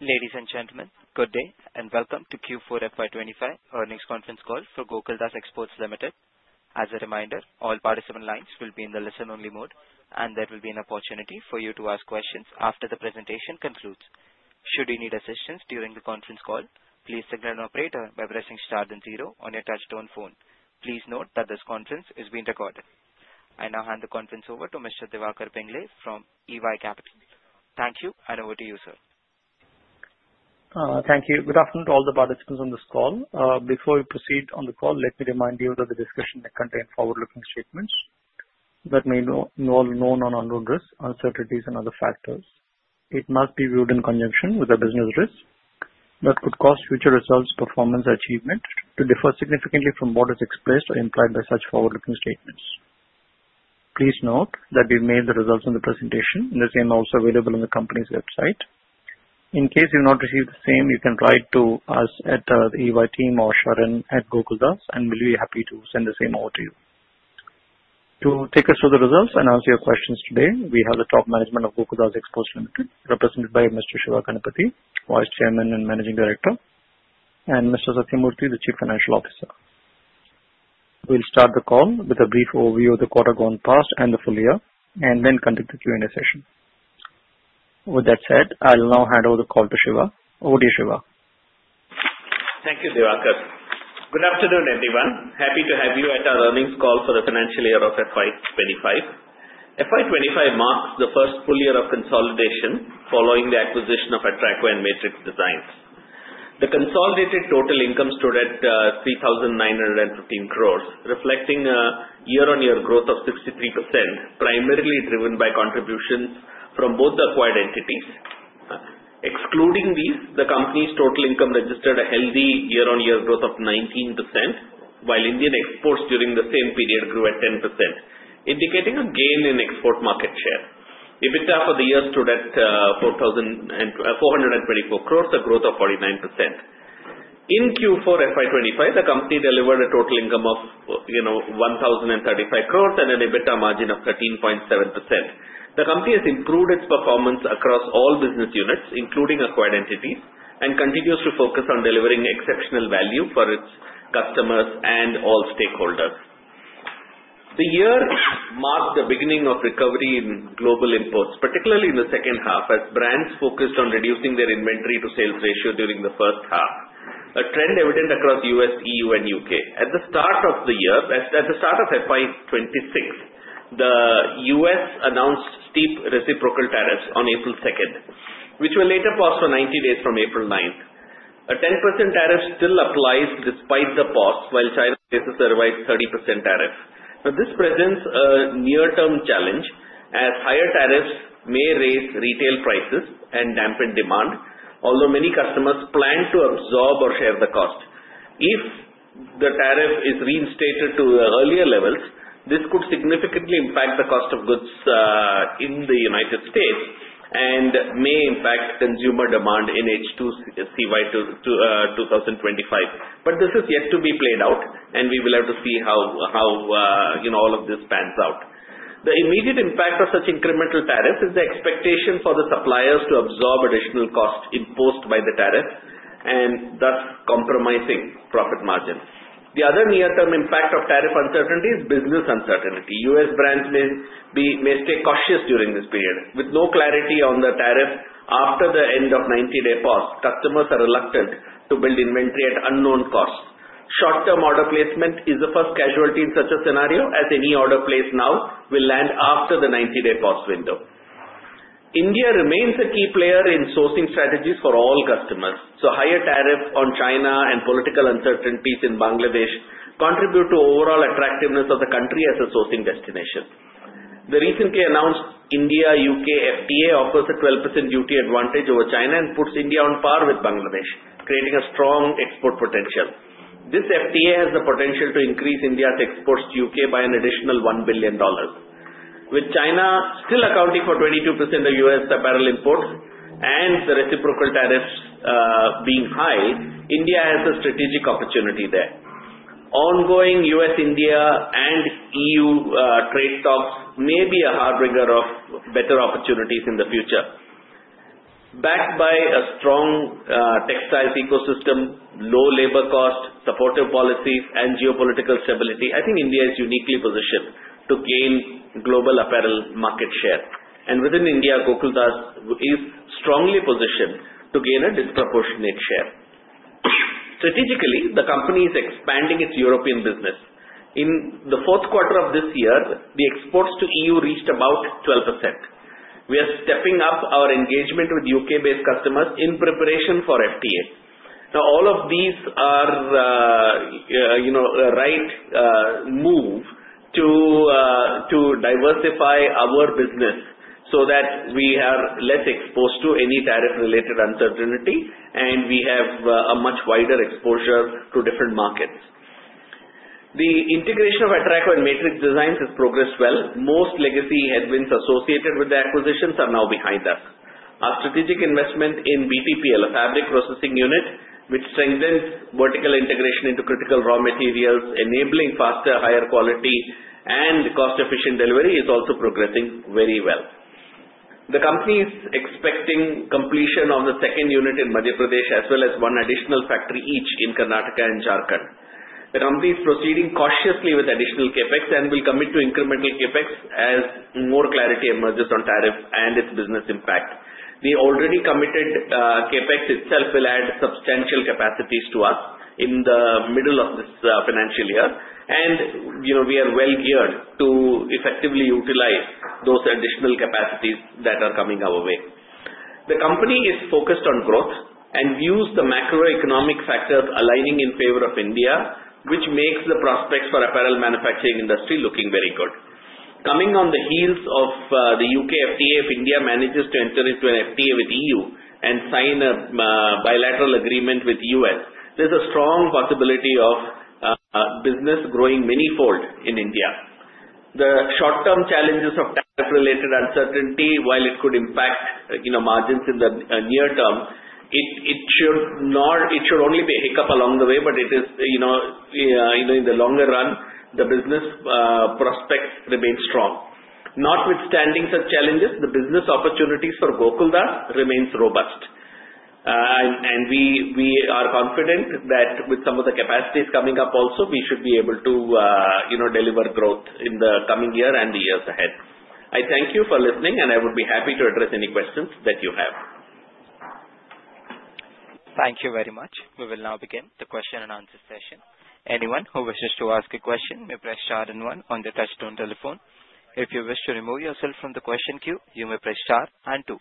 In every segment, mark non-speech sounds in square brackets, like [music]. Ladies and gentlemen, good day and welcome to Q4 FY 2025 Earnings Conference Call for Gokaldas Exports Limited. As a reminder, all participant lines will be in the listen-only mode, and there will be an opportunity for you to ask questions after the presentation concludes. Should you need assistance during the conference call, please signal an operator by pressing star then zero on your touch-tone phone. Please note that this conference is being recorded. I now hand the conference over to Mr. Diwakar Pingle from EY Capital. Thank you, and over to you, sir. Thank you. Good afternoon to all the participants on this call. Before we proceed on the call, let me remind you that the discussion may contain forward-looking statements that may involve known or unknown risks, uncertainties, and other factors. It must be viewed in conjunction with the business risk that could cause future results, performance, or achievement to differ significantly from what is expressed or implied by such forward-looking statements. Please note that we've made the results in the presentation, and they're also available on the company's website. In case you've not received the same, you can write to us at the EY team or Sharon at Gokaldas, and we'll be happy to send the same over to you. To take us through the results and answer your questions today, we have the top management of Gokaldas Exports Limited, represented by Mr. Siva Ganapathi, Vice Chairman and Managing Director, and Mr. Sathyamurthy, the Chief Financial Officer. We'll start the call with a brief overview of the quarter gone past and the full year, and then conduct the Q&A session. With that said, I'll now hand over the call to Siva. Over to you, Siva. Thank you, Diwakar. Good afternoon, everyone. Happy to have you at our earnings call for the financial year of FY 2025. FY 2025 marks the first full year of consolidation following the acquisition of Atraco and Matrix Designs. The consolidated total income stood at 3,915 crores, reflecting a year-on-year growth of 63%, primarily driven by contributions from both the acquired entities. Excluding these, the company's total income registered a healthy year-on-year growth of 19%, while Indian exports during the same period grew at 10%, indicating a gain in export market share. EBITDA for the year stood at 442.4 crores, a growth of 49%. In Q4 FY 2025, the company delivered a total income of 1,035 crores and an EBITDA margin of 13.7%. The company has improved its performance across all business units, including acquired entities, and continues to focus on delivering exceptional value for its customers and all stakeholders. The year marked the beginning of recovery in global imports, particularly in the second half, as brands focused on reducing their inventory-to-sales ratio during the first half, a trend evident across the U.S., EU, and U.K. At the start of the year, at the start of FY 2026, the U.S. announced steep reciprocal tariffs on April 2nd, which were later paused for 90 days from April 9th. A 10% tariff still applies despite the pause, while China faces a revised 30% tariff. Now, this presents a near-term challenge, as higher tariffs may raise retail prices and dampen demand, although many customers plan to absorb or share the cost. If the tariff is reinstated to earlier levels, this could significantly impact the cost of goods in the United States and may impact consumer demand in H2CY 2025. But this is yet to be played out, and we will have to see how all of this pans out. The immediate impact of such incremental tariffs is the expectation for the suppliers to absorb additional costs imposed by the tariff and thus compromising profit margins. The other near-term impact of tariff uncertainty is business uncertainty. U.S. brands may stay cautious during this period. With no clarity on the tariff after the end of the 90-day pause, customers are reluctant to build inventory at unknown costs. Short-term order placement is the first casualty in such a scenario, as any order placed now will land after the 90-day pause window. India remains a key player in sourcing strategies for all customers, so higher tariffs on China and political uncertainties in Bangladesh contribute to the overall attractiveness of the country as a sourcing destination. The recently announced India-U.K. FTA offers a 12% duty advantage over China and puts India on par with Bangladesh, creating a strong export potential. This FTA has the potential to increase India's exports to U.K. by an additional $1 billion. With China still accounting for 22% of U.S. apparel imports and the reciprocal tariffs being high, India has a strategic opportunity there. Ongoing U.S.-India and EU trade talks may be a harbinger of better opportunities in the future. Backed by a strong textiles ecosystem, low labor cost, supportive policies, and geopolitical stability, I think India is uniquely positioned to gain global apparel market share, and within India, Gokaldas is strongly positioned to gain a disproportionate share. Strategically, the company is expanding its European business. In the fourth quarter of this year, the exports to EU reached about 12%. We are stepping up our engagement with U.K.-based customers in preparation for FTA. Now, all of these are the right move to diversify our business so that we are less exposed to any tariff-related uncertainty, and we have a much wider exposure to different markets. The integration of Atraco and Matrix Designs has progressed well. Most legacy headwinds associated with the acquisitions are now behind us. Our strategic investment in BTPL, a fabric processing unit, which strengthens vertical integration into critical raw materials, enabling faster, higher quality, and cost-efficient delivery, is also progressing very well. The company is expecting completion of the second unit in Madhya Pradesh, as well as one additional factory each in Karnataka and Jharkhand. The company is proceeding cautiously with additional CapEx and will commit to incremental CapEx as more clarity emerges on tariff and its business impact. The already committed CapEx itself will add substantial capacities to us in the middle of this financial year, and we are well geared to effectively utilize those additional capacities that are coming our way. The company is focused on growth and views the macroeconomic factors aligning in favor of India, which makes the prospects for apparel manufacturing industry looking very good. Coming on the heels of the U.K. FTA, if India manages to enter into an FTA with the EU and sign a bilateral agreement with the U.S., there's a strong possibility of business growing many-fold in India. The short-term challenges of tariff-related uncertainty, while it could impact margins in the near term, it should only be a hiccup along the way, but it is, in the longer run, the business prospects remain strong. Not withstanding such challenges, the business opportunities for Gokaldas remain robust, and we are confident that with some of the capacities coming up also, we should be able to deliver growth in the coming year and the years ahead. I thank you for listening, and I would be happy to address any questions that you have. Thank you very much. We will now begin the question and answer session. Anyone who wishes to ask a question may press star and one on the touch-tone telephone. If you wish to remove yourself from the question queue, you may press star and two.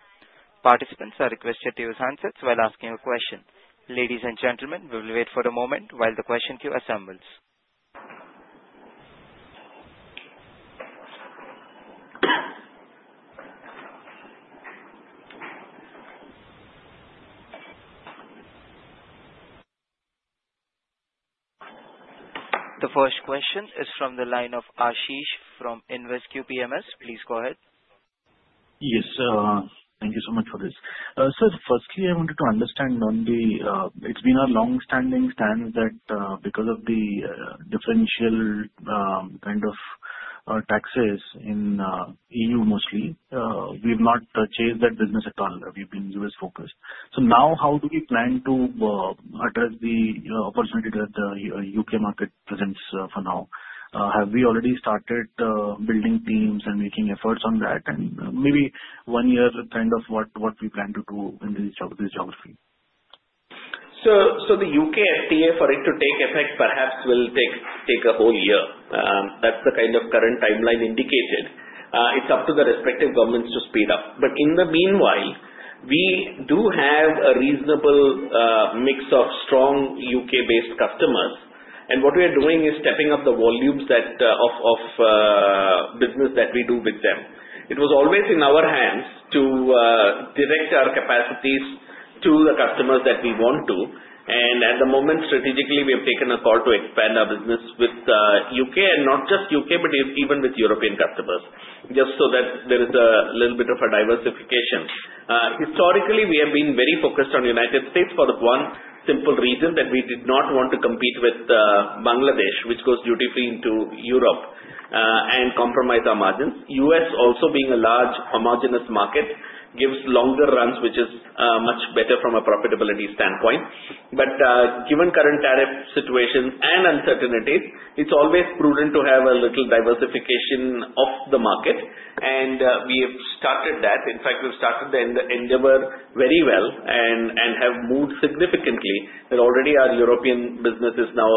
Participants are requested to use handsets while asking a question. Ladies and gentlemen, we will wait for a moment while the question queue assembles. The first question is from the line of Aashish from InvesQ PMS. Please go ahead. Yes, thank you so much for this. So firstly, I wanted to understand on the. It's been a long-standing stance that because of the differential kind of taxes in EU, mostly, we've not chased that business at all. We've been U.S.-focused. So now, how do we plan to address the opportunity that the U.K. market presents for now? Have we already started building teams and making efforts on that? And maybe one year kind of what we plan to do in this geography? So the U.K. FTA, for it to take effect, perhaps will take a whole year. That's the kind of current timeline indicated. It's up to the respective governments to speed up. But in the meanwhile, we do have a reasonable mix of strong U.K.-based customers, and what we are doing is stepping up the volumes of business that we do with them. It was always in our hands to direct our capacities to the customers that we want to. And at the moment, strategically, we have taken a call to expand our business with U.K., and not just U.K., but even with European customers, just so that there is a little bit of a diversification. Historically, we have been very focused on the United States for the one simple reason that we did not want to compete with Bangladesh, which goes duty-free into Europe and compromise our margins. U.S., also being a large homogeneous market, gives longer runs, which is much better from a profitability standpoint. But given the current tariff situation and uncertainties, it's always prudent to have a little diversification of the market, and we have started that. In fact, we've started the endeavor very well and have moved significantly. There already are European businesses now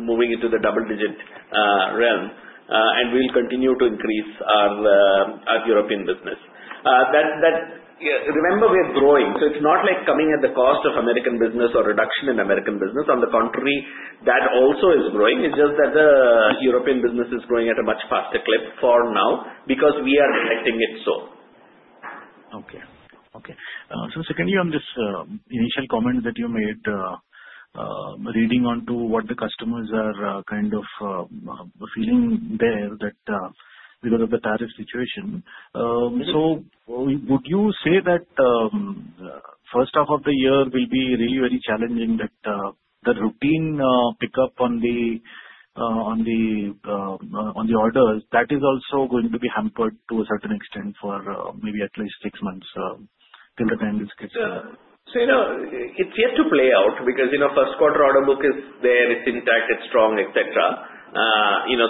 moving into the double-digit realm, and we'll continue to increase our European business. Remember, we're growing, so it's not like coming at the cost of American business or reduction in American business. On the contrary, that also is growing. It's just that the European business is growing at a much faster clip for now because we are affecting it so. Okay. Okay. So secondly, on this initial comment that you made, reading into what the customers are kind of feeling there because of the tariff situation, so would you say that the first half of the year will be really very challenging? That the routine pickup on the orders, that is also going to be hampered to a certain extent for maybe at least six months till the time this gets... It's yet to play out because the first quarter order book is there. It's intact. It's strong, etc.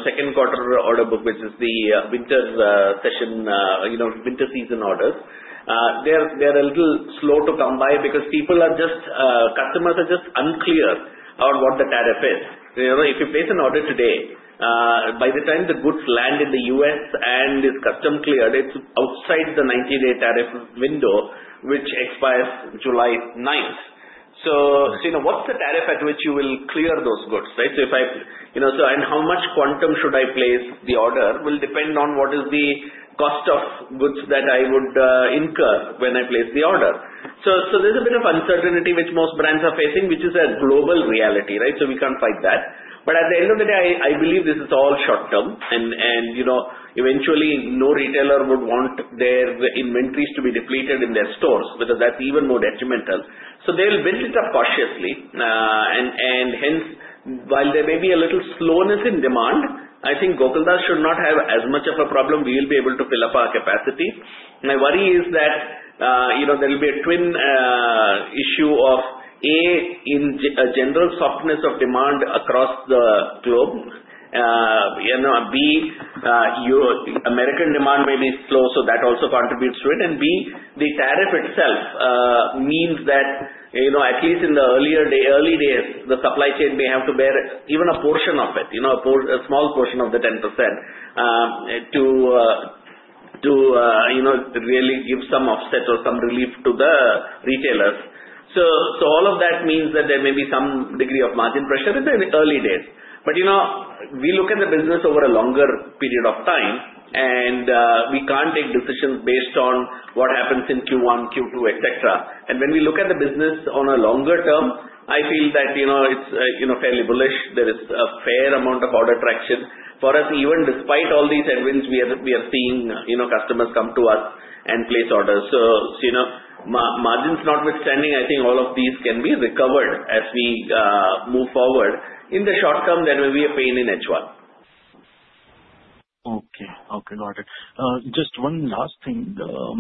Second quarter order book, which is the winter session, winter season orders, they're a little slow to come by because customers are just unclear on what the tariff is. If you place an order today, by the time the goods land in the U.S. and it's customs cleared, it's outside the 90-day tariff window, which expires July 9th. So what's the tariff at which you will clear those goods, right? So how much quantum should I place the order will depend on what is the cost of goods that I would incur when I place the order. So there's a bit of uncertainty which most brands are facing, which is a global reality, right? So we can't fight that. But at the end of the day, I believe this is all short-term, and eventually, no retailer would want their inventories to be depleted in their stores, whether that's even more detrimental. So they'll build it up cautiously, and hence, while there may be a little slowness in demand, I think Gokaldas should not have as much of a problem. We will be able to fill up our capacity. My worry is that there will be a twin issue of, A, a general softness of demand across the globe, B, American demand may be slow, so that also contributes to it, and B, the tariff itself means that at least in the early days, the supply chain may have to bear even a portion of it, a small portion of the 10% to really give some offset or some relief to the retailers. So all of that means that there may be some degree of margin pressure in the early days. But we look at the business over a longer period of time, and we can't take decisions based on what happens in Q1, Q2, etc. And when we look at the business on a longer term, I feel that it's fairly bullish. There is a fair amount of order traction for us, even despite all these headwinds we are seeing customers come to us and place orders. So margins notwithstanding, I think all of these can be recovered as we move forward. In the short term, there may be a pain in H1. Okay. Okay. Got it. Just one last thing. I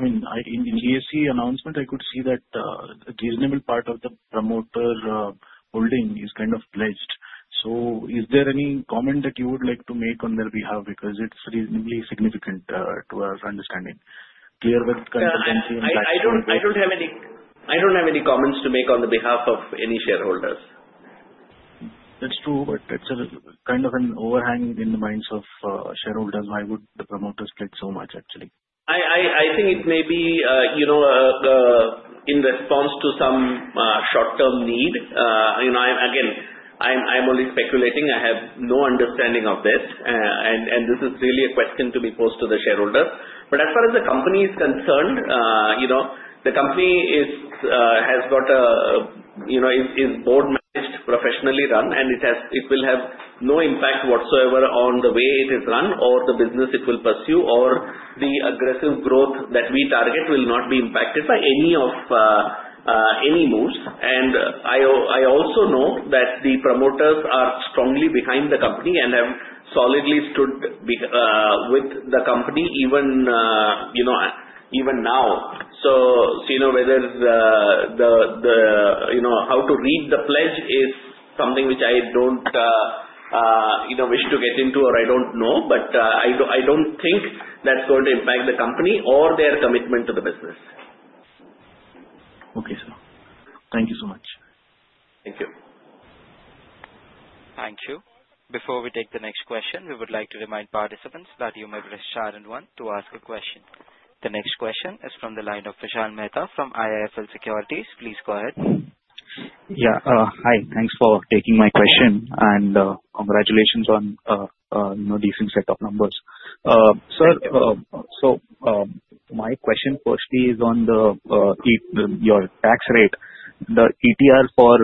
mean, in the BSE announcement, I could see that a reasonable part of the promoter holding is kind of pledged. So is there any comment that you would like to make on their behalf because it's reasonably significant to our understanding? Clear with kind of the company and... I don't have any comments to make on behalf of any shareholders. That's true, but that's kind of an overhang in the minds of shareholders. Why would the promoters pledge so much, actually? I think it may be in response to some short-term need. Again, I'm only speculating. I have no understanding of this, and this is really a question to be posed to the shareholders. But as far as the company is concerned, the company is board-managed, professionally run, and it will have no impact whatsoever on the way it is run or the business it will pursue or the aggressive growth that we target will not be impacted by any moves. And I also know that the promoters are strongly behind the company and have solidly stood with the company even now. So whether the how to read the pledge is something which I don't wish to get into, or I don't know, but I don't think that's going to impact the company or their commitment to the business. Okay. So thank you so much. Thank you. Thank you. Before we take the next question, we would like to remind participants that you may press star and one to ask a question. The next question is from the line of Vishal Mehta from IIFL Securities. Please go ahead. Yeah. Hi. Thanks for taking my question, and congratulations on a decent set of numbers. Sir, so my question firstly is on your tax rate. The ETR for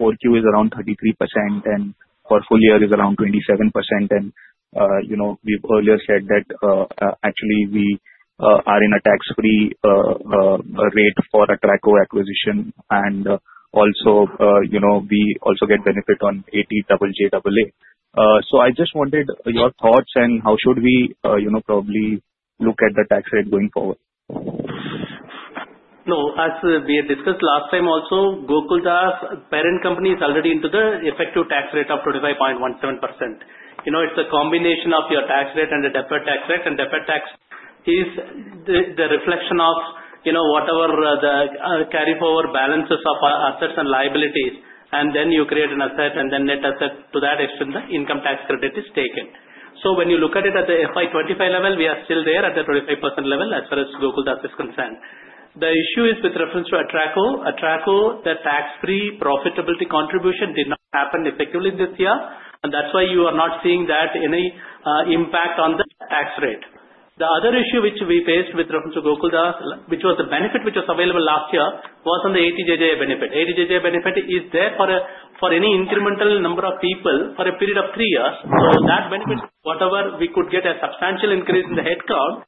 4Q is around 33%, and for full year is around 27%. And we've earlier said that actually we are in a tax-free rate for Atraco acquisition, and also we also get benefit on 80JJAA. So I just wanted your thoughts and how should we probably look at the tax rate going forward? No. As we had discussed last time also, Gokaldas parent company is already into the effective tax rate of 25.17%. It's a combination of your tax rate and the deferred tax rate, and deferred tax is the reflection of whatever the carry-forward balances of assets and liabilities, and then you create an asset and then net asset to that extent the income tax credit is taken. So when you look at it at the FY 2025 level, we are still there at the 25% level as far as Gokaldas is concerned. The issue is with reference to Atraco. Atraco, the tax-free profitability contribution did not happen effectively this year, and that's why you are not seeing that any impact on the tax rate. The other issue which we faced with reference to Gokaldas, which was the benefit which was available last year, was on the 80JJAA benefit. 80JJAA benefit is there for any incremental number of people for a period of three years. So that benefit, whatever we could get a substantial increase in the headcount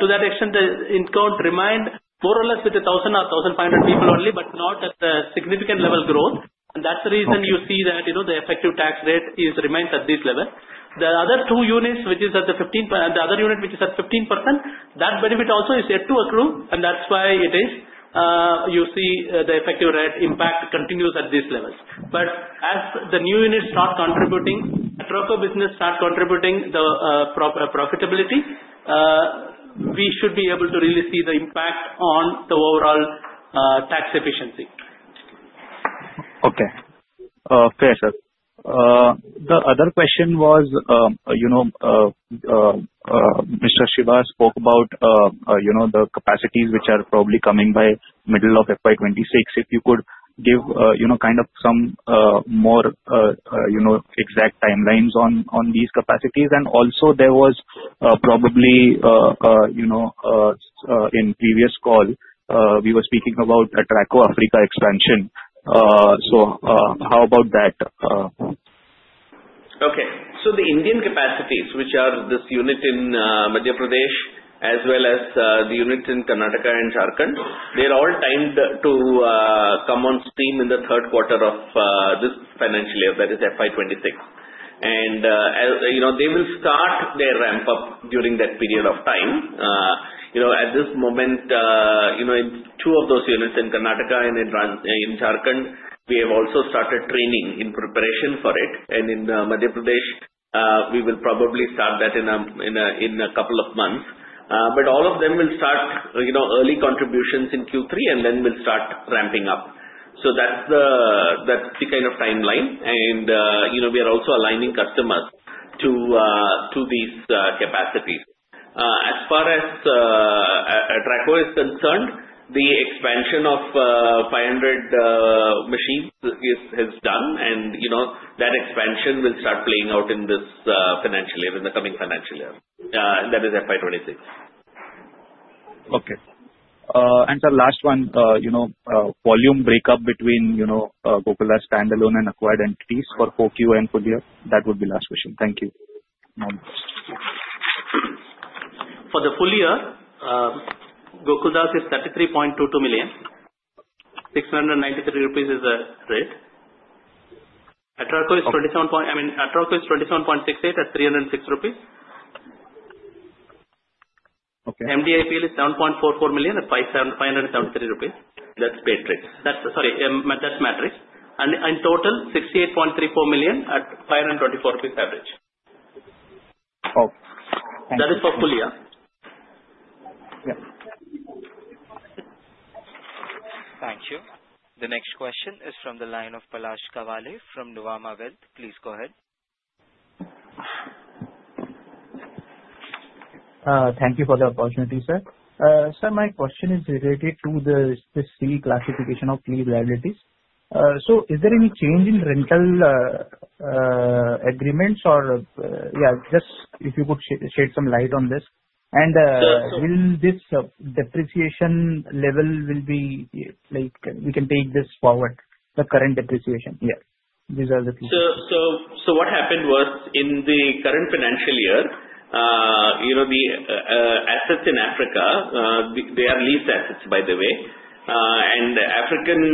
to that extent, the headcount remained more or less with 1,000 or 1,500 people only, but not at the significant level growth. That's the reason you see that the effective tax rate remains at this level. The other two units, which is at the 15%, and the other unit which is at 15%, that benefit also is yet to accrue, and that's why it is you see the effective rate impact continues at these levels. But as the new units start contributing, Atraco business start contributing the profitability, we should be able to really see the impact on the overall tax efficiency. Okay. Fair, sir. The other question was Mr. Siva spoke about the capacities which are probably coming by middle of FY 2026. If you could give kind of some more exact timelines on these capacities. And also, there was probably in previous call, we were speaking about Atraco Africa expansion. So how about that? Okay. The Indian capacities, which are this unit in Madhya Pradesh as well as the unit in Karnataka and Jharkhand, are all timed to come on stream in the third quarter of this financial year, that is FY 2026. They will start their ramp-up during that period of time. At this moment, two of those units in Karnataka and in Jharkhand, we have also started training in preparation for it. In Madhya Pradesh, we will probably start that in a couple of months. All of them will start early contributions in Q3, and then we'll start ramping up. That's the kind of timeline. We are also aligning customers to these capacities. As far as Atraco is concerned, the expansion of 500 machines is done, and that expansion will start playing out in this financial year, in the coming financial year. That is FY 2026. Okay. And, sir, last one, volume breakup between Gokaldas standalone and acquired entities for 4Q and full year? That would be last question. Thank you. For the full year, Gokaldas is 33.22 million. 693 rupees is the rate. Atraco is 27.68 million at 306 rupees. MDIPL is 7.44 million at 573 rupees. That's Matrix. And in total, 68.34 million at 524 rupees average. Okay. That is for full year. Yeah. Thank you. The next question is from the line of Palash Kawale from Nuvama Wealth. Please go ahead. Thank you for the opportunity, sir. Sir, my question is related to the current classification of current liabilities. So is there any change in rental agreements? Or yeah, just if you could shed some light on this. And will this depreciation level be we can take this forward, the current depreciation? Yeah. These are the questions. What happened was in the current financial year, the assets in Africa, they are leased assets, by the way. African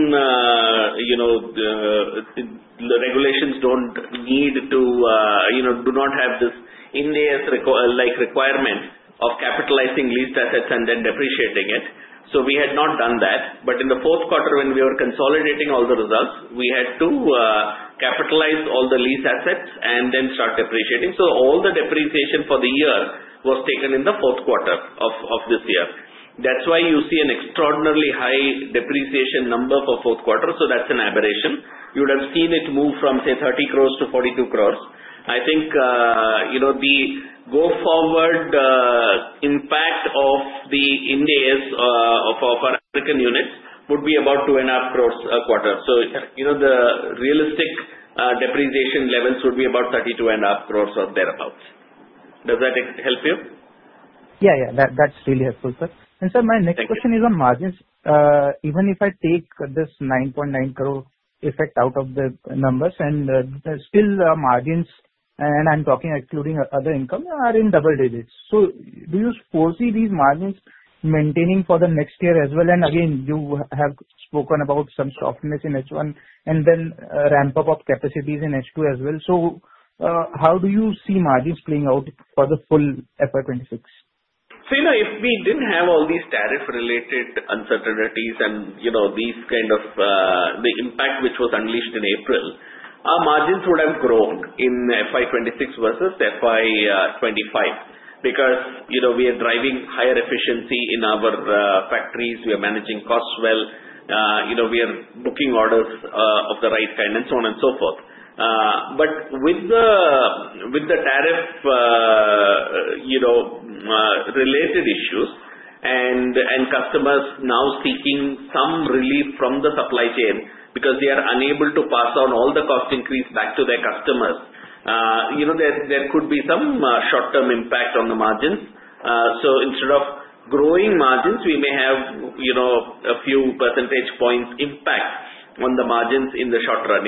regulations do not have this Ind AS requirement of capitalizing leased assets and then depreciating it. We had not done that. In the fourth quarter, when we were consolidating all the results, we had to capitalize all the leased assets and then start depreciating. All the depreciation for the year was taken in the fourth quarter of this year. That's why you see an extraordinarily high depreciation number for fourth quarter. That's an aberration. You would have seen it move from, say, 30 crores to 42 crores. I think the go-forward impact of the Ind AS of our African units would be about 2.5 crores a quarter. The realistic depreciation levels would be about 32.5 crores or thereabouts. Does that help you? Yeah. Yeah. That's really helpful, sir. And sir, my next question is on margins. Even if I take this 9.9 crore effect out of the numbers, and still the margins, and I'm talking excluding other income, are in double digits. So do you foresee these margins maintaining for the next year as well? And again, you have spoken about some softness in H1 and then ramp-up of capacities in H2 as well. So how do you see margins playing out for the full FY 2026? See, if we didn't have all these tariff-related uncertainties and these kind of the impact which was unleashed in April, our margins would have grown in FY 2026 versus FY 2025 because we are driving higher efficiency in our factories. We are managing costs well. We are booking orders of the right kind and so on and so forth. But with the tariff-related issues and customers now seeking some relief from the supply chain because they are unable to pass on all the cost increase back to their customers, there could be some short-term impact on the margins. So instead of growing margins, we may have a few percentage points impact on the margins in the short run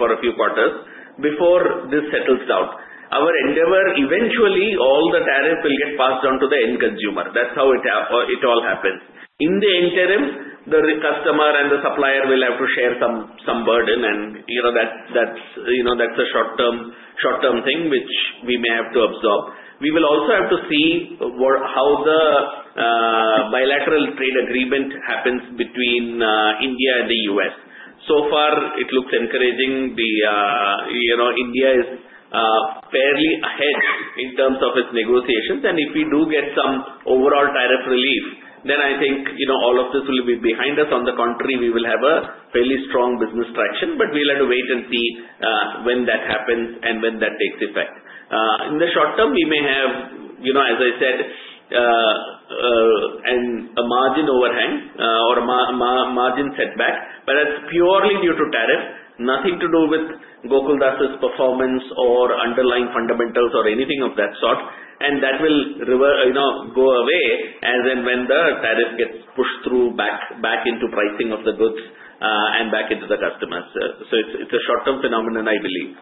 for a few quarters before this settles down. Our endeavor, eventually, all the tariff will get passed on to the end consumer. That's how it all happens. In the interim, the customer and the supplier will have to share some burden, and that's a short-term thing which we may have to absorb. We will also have to see how the bilateral trade agreement happens between India and the U.S. So far, it looks encouraging. India is fairly ahead in terms of its negotiations, and if we do get some overall tariff relief, then I think all of this will be behind us. On the contrary, we will have a fairly strong business traction, but we'll have to wait and see when that happens and when that takes effect. In the short term, we may have, as I said, a margin overhang or a margin setback, but that's purely due to tariff, nothing to do with Gokaldas's performance or underlying fundamentals or anything of that sort. That will go away as and when the tariff gets pushed through back into pricing of the goods and back into the customers. So it's a short-term phenomenon, I believe.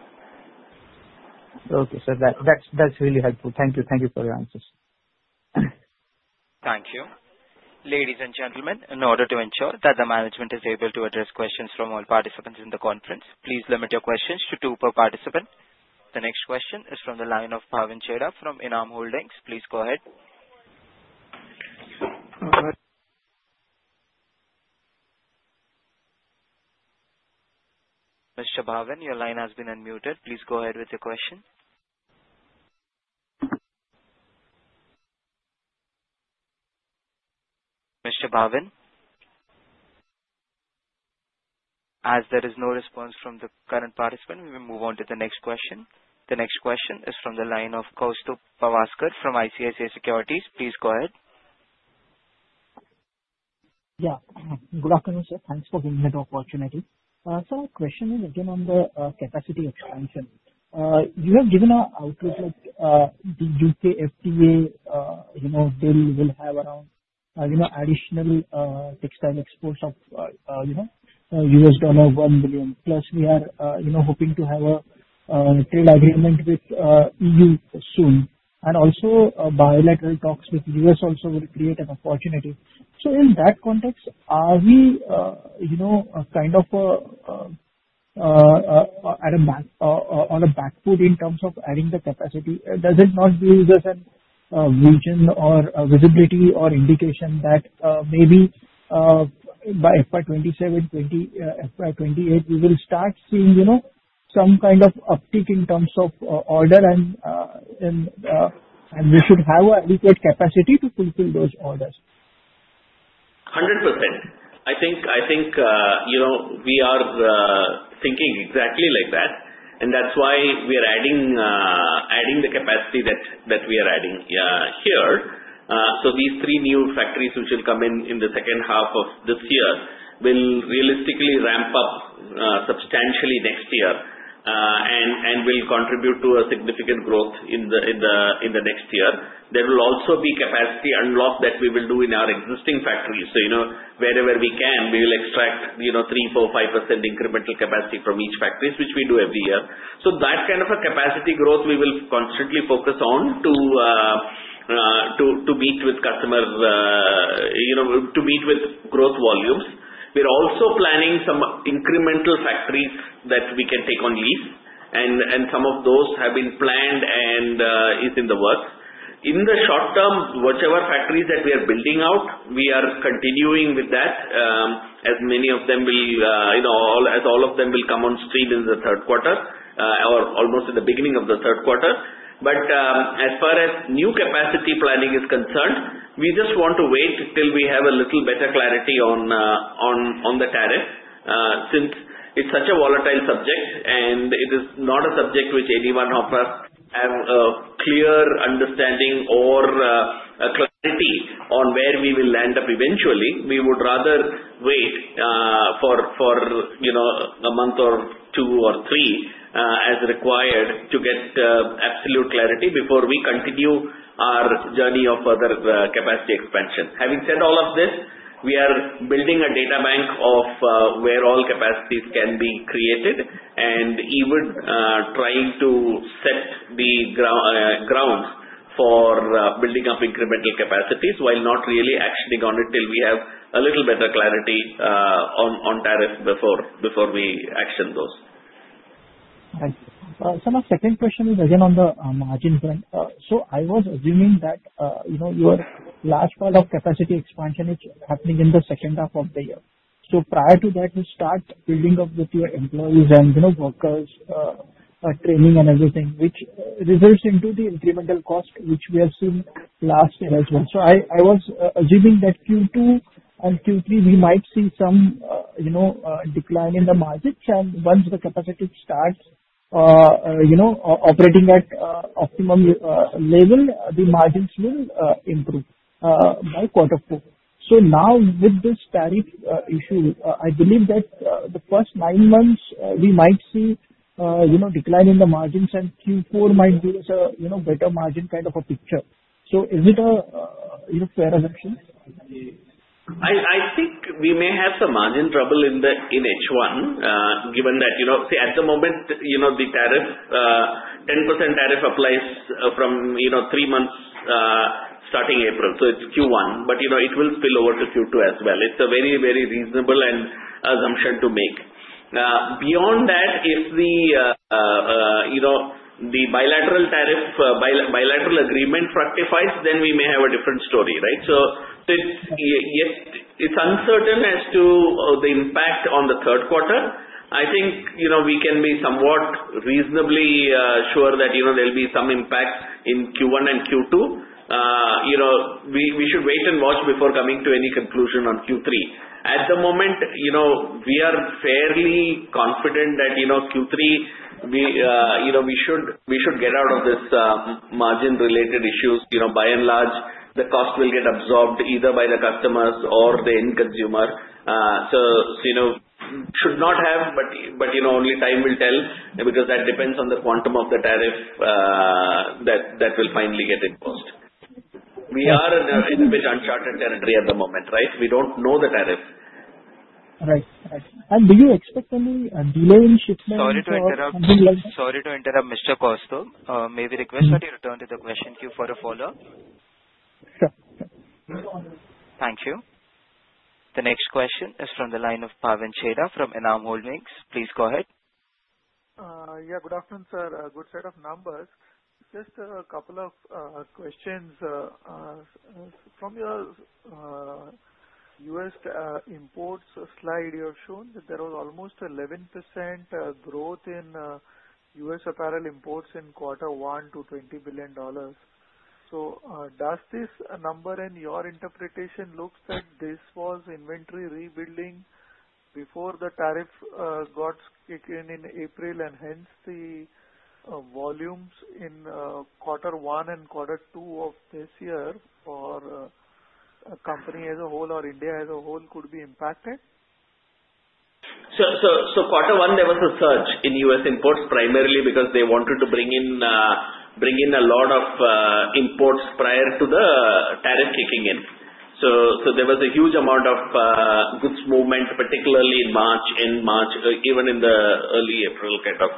Okay, so that's really helpful. Thank you. Thank you for your answers. Thank you. Ladies and gentlemen, in order to ensure that the management is able to address questions from all participants in the conference, please limit your questions to two per participant. The next question is from the line of Bhavin Chheda from Enam Holdings. Please go ahead. Mr. Bhavin, your line has been unmuted. Please go ahead with your question. Mr. Bhavin, as there is no response from the current participant, we will move on to the next question. The next question is from the line of Kaustubh Pawaskar from ICICI Securities. Please go ahead. Yeah. Good afternoon, sir. Thanks for giving me the opportunity. Sir, my question is again on the capacity expansion. You have given an outlook like the U.K. FTA bill will have around additional textile exports of $1 million. Plus, we are hoping to have a trade agreement with EU soon. And also, bilateral talks with the U.S. also will create an opportunity. So in that context, are we kind of on a back foot in terms of adding the capacity? Does it not give us a vision or visibility or indication that maybe by FY 2027, FY 2028, we will start seeing some kind of uptick in terms of order, and we should have adequate capacity to fulfill those orders? 100%. I think we are thinking exactly like that, and that's why we are adding the capacity that we are adding here, so these three new factories which will come in the second half of this year will realistically ramp up substantially next year and will contribute to a significant growth in the next year. There will also be capacity unlock that we will do in our existing factories, so wherever we can, we will extract 3%, 4%, 5% incremental capacity from each factories, which we do every year, so that kind of capacity growth, we will constantly focus on to meet with customers, to meet with growth volumes. We're also planning some incremental factories that we can take on lease, and some of those have been planned and are in the works. In the short term, whichever factories that we are building out, we are continuing with that as all of them will come on stream in the third quarter or almost at the beginning of the third quarter. But as far as new capacity planning is concerned, we just want to wait till we have a little better clarity on the tariff since it's such a volatile subject, and it is not a subject which any one of us has a clear understanding or clarity on where we will land up eventually. We would rather wait for a month or two or three as required to get absolute clarity before we continue our journey of further capacity expansion. Having said all of this, we are building a data bank of where all capacities can be created and even trying to set the ground for building up incremental capacities while not really actioning on it till we have a little better clarity on tariff before we action those. Thank you. Sir, my second question is again on the margin front. So I was assuming that your last part of capacity expansion is happening in the second half of the year. So prior to that, you start building up with your employees and workers' training and everything, which results into the incremental cost which we have seen last year as well. So I was assuming that Q2 and Q3, we might see some decline in the margins. And once the capacity starts operating at optimum level, the margins will improve by a quarter or two. So now, with this tariff issue, I believe that the first nine months, we might see a decline in the margins, and Q4 might give us a better margin kind of a picture. So is it a fair assumption? I think we may have some margin trouble in H1 given that, see, at the moment, the tariff, 10% tariff applies from three months starting April. So it's Q1, but it will spill over to Q2 as well. It's a very, very reasonable assumption to make. Beyond that, if the bilateral tariff bilateral agreement rectifies, then we may have a different story, right? So it's uncertain as to the impact on the third quarter. I think we can be somewhat reasonably sure that there'll be some impact in Q1 and Q2. We should wait and watch before coming to any conclusion on Q3. At the moment, we are fairly confident that Q3, we should get out of this margin-related issues. By and large, the cost will get absorbed either by the customers or the end consumer. So should not have, but only time will tell because that depends on the quantum of the tariff that will finally get enforced. We are in a bit uncharted territory at the moment, right? We don't know the tariff. Right. Right. And do you expect any delay in shipment? Sorry to interrupt. Sorry to interrupt, Mr. Kaustubh. May we request that you return to the question queue for a follow-up? Sure. Thank you. The next question is from the line of Bhavin Chheda from Enam Holdings. Please go ahead. Yeah. Good afternoon, sir. Good set of numbers. Just a couple of questions. From your U.S. imports slide, you have shown that there was almost 11% growth in U.S. apparel imports in quarter one to $20 billion. So does this number and your interpretation look that this was inventory rebuilding before the tariff got kicked in in April, and hence the volumes in quarter one and quarter two of this year for a company as a whole or India as a whole could be impacted? So, quarter one, there was a surge in U.S. imports primarily because they wanted to bring in a lot of imports prior to the tariff kicking in. So there was a huge amount of goods movement, particularly in March, even in the early April kind of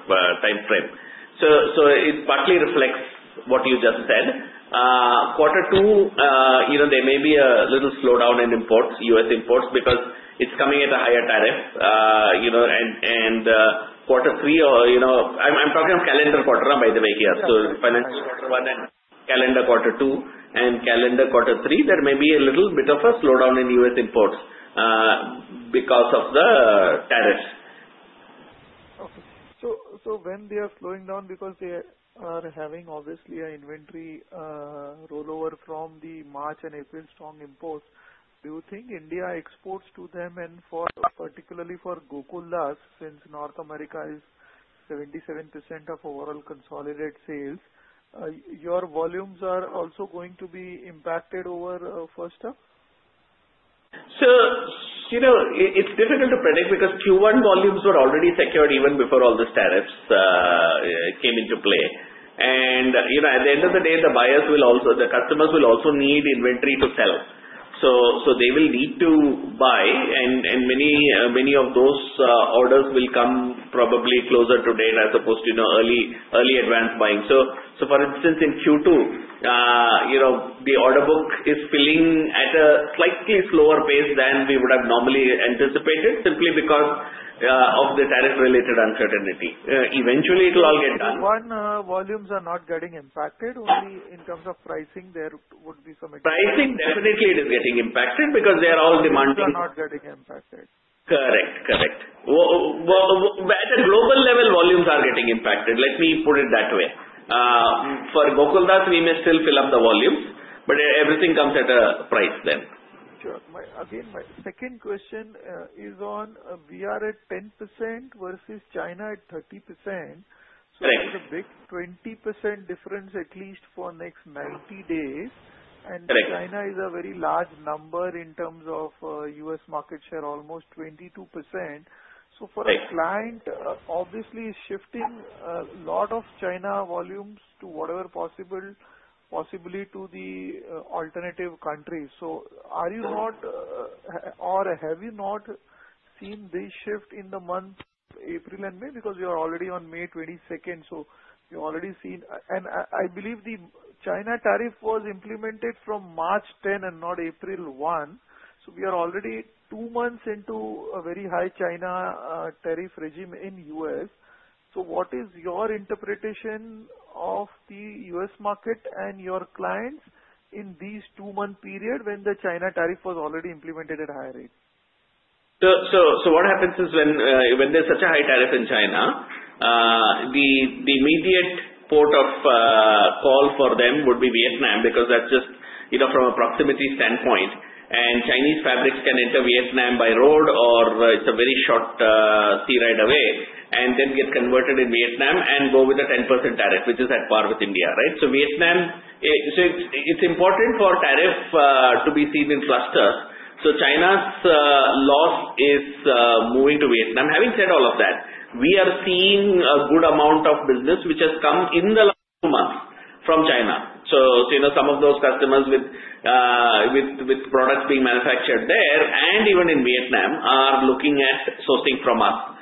time frame. So it partly reflects what you just said. Quarter two, there may be a little slowdown in imports, U.S. imports, because it's coming at a higher tariff, and quarter three, I'm talking of calendar quarter, by the way, here. So financial quarter one and calendar quarter two and calendar quarter three, there may be a little bit of a slowdown in U.S. imports because of the tariffs. Okay. When they are slowing down because they are having obviously an inventory rollover from the March and April strong imports, do you think India exports to them and particularly for Gokaldas since North America is 77% of overall consolidated sales, your volumes are also going to be impacted over first term? It's difficult to predict because Q1 volumes were already secured even before all the tariffs came into play. And at the end of the day, the buyers, the customers, will also need inventory to sell. They will need to buy, and many of those orders will come probably closer to date as opposed to early advance buying. For instance, in Q2, the order book is filling at a slightly slower pace than we would have normally anticipated simply because of the tariff-related uncertainty. Eventually, it will all get done. Q1 volumes are not getting impacted. Only in terms of pricing, there would be some. Pricing, definitely, it is getting impacted because they are all demanding. They are not getting impacted. Correct. Correct. At a global level, volumes are getting impacted. Let me put it that way. For Gokaldas, we may still fill up the volumes, but everything comes at a price then. Sure. Again, my second question is on we are at 10% versus China at 30%. So there's a big 20% difference at least for the next 90 days. And China is a very large number in terms of U.S. market share, almost 22%. So for a client, obviously, shifting a lot of China volumes to whatever possibility to the alternative countries. So are you not or have you not seen this shift in the month of April and May? Because you are already on May 22nd, so you already seen and I believe the China tariff was implemented from March 10 and not April 1. So we are already two months into a very high China tariff regime in the U.S. So what is your interpretation of the U.S. market and your clients in this two-month period when the China tariff was already implemented at a high rate? So what happens is when there's such a high tariff in China, the immediate port of call for them would be Vietnam because that's just from a proximity standpoint. And Chinese fabrics can enter Vietnam by road or it's a very short sea ride away and then get converted in Vietnam and go with a 10% tariff, which is at par with India, right? So it's important for tariff to be seen in clusters. So China's loss is moving to Vietnam. Having said all of that, we are seeing a good amount of business which has come in the last two months from China. So some of those customers with products being manufactured there and even in Vietnam are looking at sourcing from us.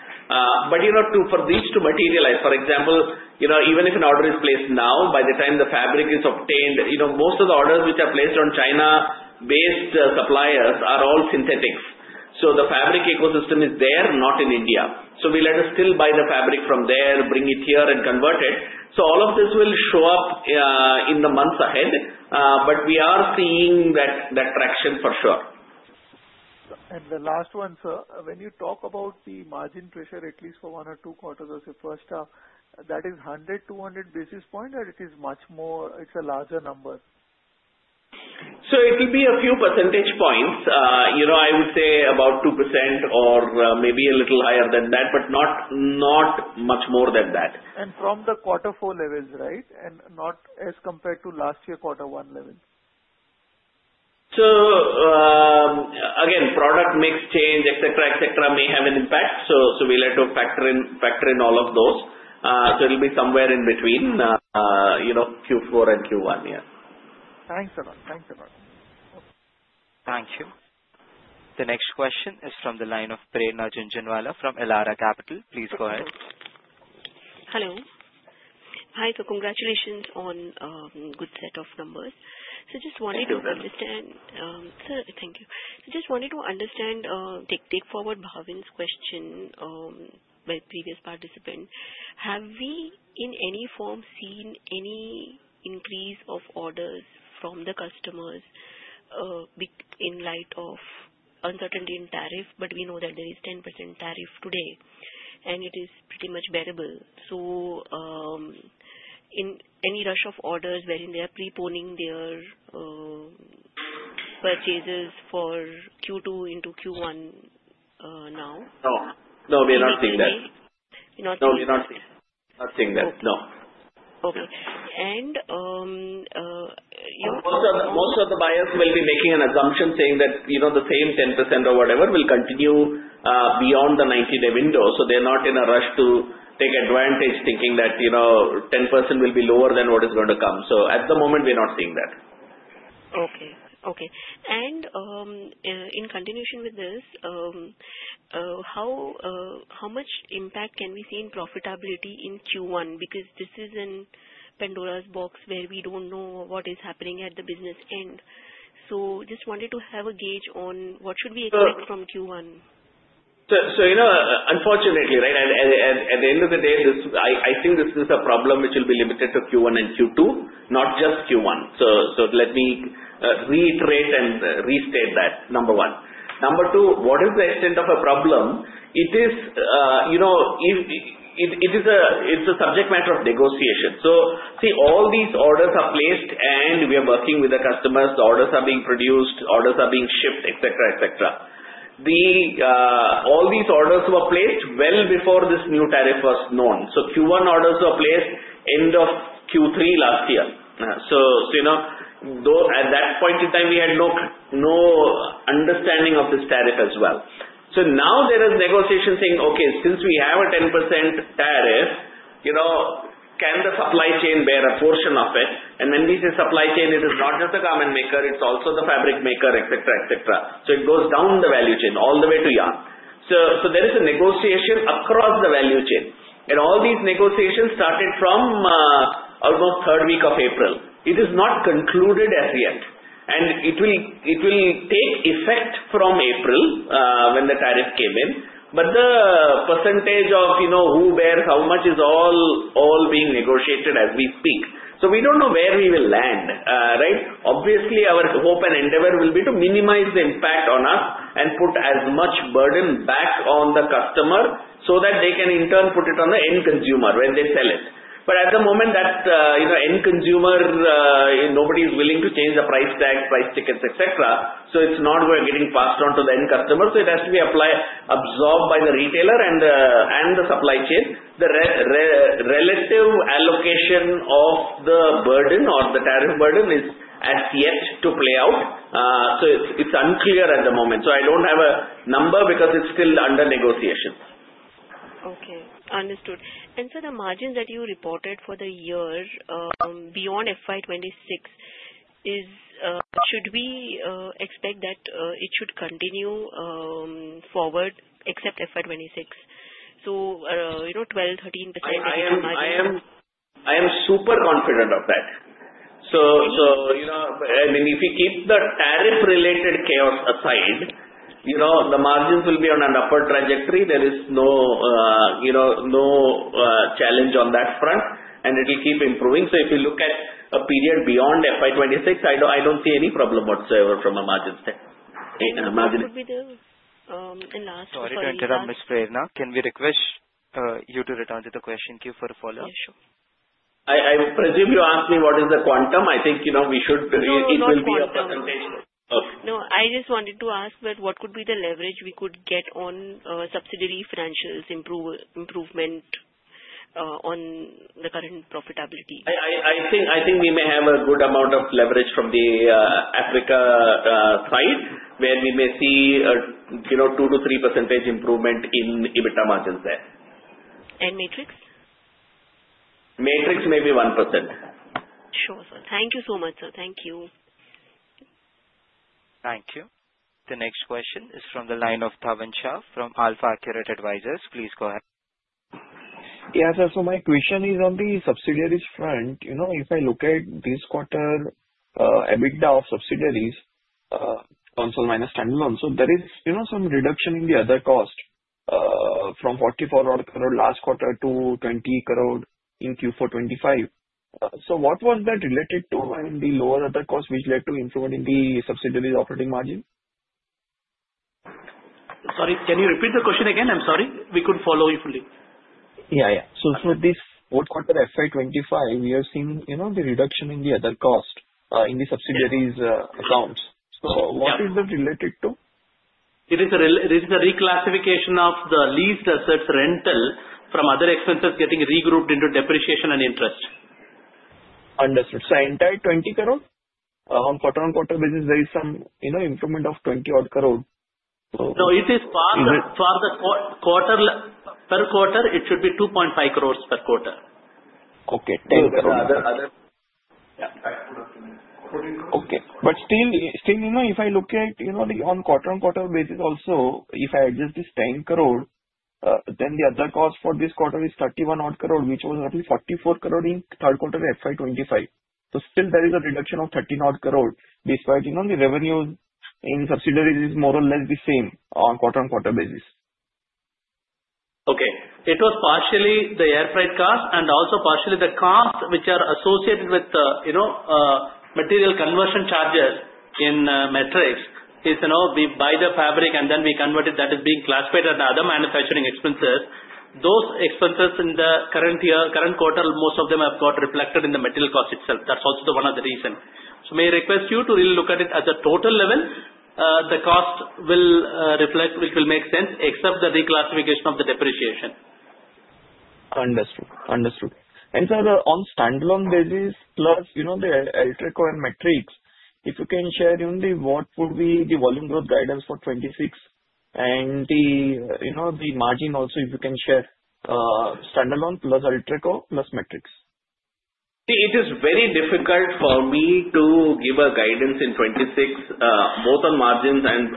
But for these to materialize, for example, even if an order is placed now, by the time the fabric is obtained, most of the orders which are placed on China-based suppliers are all synthetics. So the fabric ecosystem is there, not in India. So we let us still buy the fabric from there, bring it here, and convert it. So all of this will show up in the months ahead, but we are seeing that traction for sure. The last one, sir, when you talk about the margin pressure, at least for one or two quarters of the first term, that is 100, 200 basis points, or it is much more? It's a larger number. So it will be a few percentage points. I would say about 2% or maybe a little higher than that, but not much more than that. From the quarter four levels, right, and not as compared to last year quarter one levels? So again, product mix change, etc., etc., may have an impact. So we'll have to factor in all of those. So it'll be somewhere in between Q4 and Q1, yeah. Thanks a lot. Thanks a lot. Thank you. The next question is from the line of Prerna Jhunjhunwala from Elara Capital. Please go ahead. Hello. Hi. So congratulations on a good set of numbers. So just wanted to understand. Thank you. Thank you. So just wanted to understand, take forward Bhavin's question, my previous participant. Have we in any form seen any increase of orders from the customers in light of uncertainty in tariff? But we know that there is 10% tariff today, and it is pretty much bearable. So in any rush of orders, wherein they are preponing their purchases for Q2 into Q1 now? No. No. We are not seeing that. No. We are not seeing that. No. Okay. And your. Most of the buyers will be making an assumption saying that the same 10% or whatever will continue beyond the 90-day window. So they're not in a rush to take advantage thinking that 10% will be lower than what is going to come. So at the moment, we're not seeing that. Okay. Okay. And in continuation with this, how much impact can we see in profitability in Q1? Because this is in Pandora's box where we don't know what is happening at the business end. So just wanted to have a gauge on what should we expect from Q1. So unfortunately, right, at the end of the day, I think this is a problem which will be limited to Q1 and Q2, not just Q1. So let me reiterate and restate that, number one. Number two, what is the extent of a problem? It is a subject matter of negotiation. So see, all these orders are placed, and we are working with the customers. The orders are being produced. Orders are being shipped, etc., etc. All these orders were placed well before this new tariff was known. So Q1 orders were placed end of Q3 last year. So at that point in time, we had no understanding of this tariff as well. So now there is negotiation saying, "Okay, since we have a 10% tariff, can the supply chain bear a portion of it?" and when we say supply chain, it is not just the garment maker. It's also the fabric maker, etc., etc., so it goes down the value chain all the way to yarn, so there is a negotiation across the value chain, and all these negotiations started from almost third week of April. It is not concluded as yet, and it will take effect from April when the tariff came in, but the percentage of who bears how much is all being negotiated as we speak, so we don't know where we will land, right? Obviously, our hope and endeavor will be to minimize the impact on us and put as much burden back on the customer so that they can in turn put it on the end consumer when they sell it, but at the moment, that end consumer, nobody is willing to change the price tags, price tickets, etc., so it's not getting passed on to the end customer. So it has to be absorbed by the retailer and the supply chain. The relative allocation of the burden or the tariff burden is as yet to play out. So it's unclear at the moment. So I don't have a number because it's still under negotiation. Okay. Understood. And for the margins that you reported for the year beyond FY 2026, should we expect that it should continue forward except FY 2026? So 12%-13% margin. I am super confident of that. So I mean, if we keep the tariff-related chaos aside, the margins will be on an upward trajectory. There is no challenge on that front, and it will keep improving. So if you look at a period beyond FY 2026, I don't see any problem whatsoever from a margin standpoint. [crosstalk] Sorry to interrupt, Ms. Prerna. Can we request you to return to the question queue for a follow-up? Yeah, sure. I presume you asked me what is the quantum. I think we should. It will be a presentation. No. I just wanted to ask what could be the leverage we could get on subsidiary financials improvement on the current profitability? I think we may have a good amount of leverage from the Africa side where we may see a 2%-3% improvement in EBITDA margins there. And Matrix? Matrix may be 1%. Sure, sir. Thank you so much, sir. Thank you. Thank you. The next question is from the line of Dhaval Shah from AlfAccurate Advisors. Please go ahead. Yeah, sir. So my question is on the subsidiaries front. If I look at this quarter EBITDA of subsidiaries, consol minus standalone, so there is some reduction in the other cost from 44 crore last quarter to 20 crore in Q4 2025. So what was that related to in the lower other cost which led to improvement in the subsidiary's operating margin? Sorry, can you repeat the question again? I'm sorry. We couldn't follow you fully. Yeah, yeah. So for this quarter FY 2025, we are seeing the reduction in the other cost in the subsidiaries' accounts. So what is that related to? It is a reclassification of the leased assets rental from other expenses getting regrouped into depreciation and interest. Understood. So entire 20 crore? On quarter-on-quarter basis, there is some improvement of 20 crore. No, it is for the quarter per quarter. It should be 2.5 crores per quarter. Okay. 10 crore. Okay. But still, if I look at on quarter-on-quarter basis also, if I adjust this 10 crore, then the other cost for this quarter is 31 crore, which was roughly 44 crore in third quarter FY 2025. So still, there is a reduction of 13 crore despite the revenues in subsidiaries is more or less the same on quarter-on-quarter basis. Okay. It was partially the air freight cost and also partially the cost which are associated with the material conversion charges in Matrix. We buy the fabric, and then we convert it. That is being classified as other manufacturing expenses. Those expenses in the current year, current quarter, most of them have got reflected in the material cost itself. That's also one of the reasons. So may I request you to really look at it at the total level? The cost will reflect, which will make sense, except the reclassification of the depreciation. Understood. Understood. And sir, on standalone basis plus the Atraco and Matrix, if you can share what would be the volume growth guidance for 2026 and the margin also, if you can share standalone plus Atraco plus Matrix? See, it is very difficult for me to give a guidance in 2026, both on margins and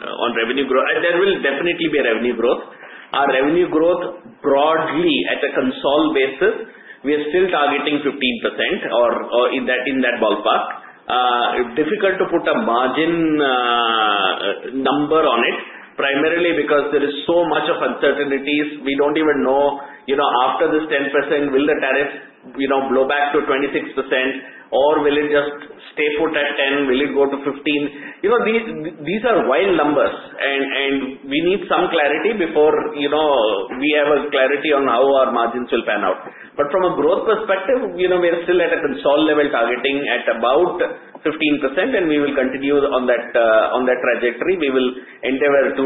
on revenue growth. There will definitely be a revenue growth. Our revenue growth broadly at a consolidated basis, we are still targeting 15% or in that ballpark. Difficult to put a margin number on it, primarily because there is so much of uncertainties. We don't even know after this 10%, will the tariff blow back to 26%, or will it just stay put at 10%? Will it go to 15%? These are wild numbers, and we need some clarity before we have a clarity on how our margins will pan out. But from a growth perspective, we are still at a consolidated level targeting at about 15%, and we will continue on that trajectory. We will endeavor to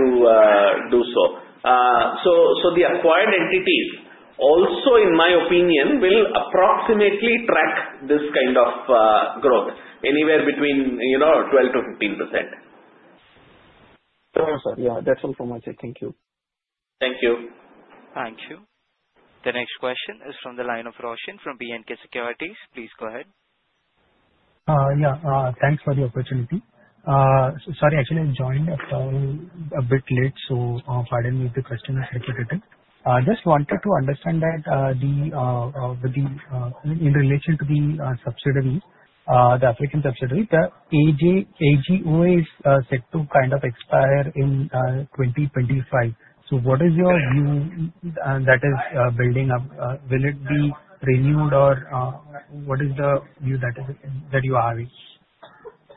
do so. The acquired entities also, in my opinion, will approximately track this kind of growth anywhere between 12%-15%. No, sir. Yeah, that's all from my side. Thank you. Thank you. Thank you. The next question is from the line of Roshan from B&K Securities. Please go ahead. Yeah. Thanks for the opportunity. Sorry, actually, I joined a bit late, so pardon me if the question is repetitive. Just wanted to understand that in relation to the subsidiaries, the African subsidiary, the AGOA is set to kind of expire in 2025. So what is your view that is building up? Will it be renewed, or what is the view that you are having?